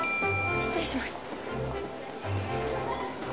失礼します。